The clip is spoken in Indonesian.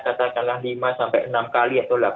katakanlah lima sampai enam kali atau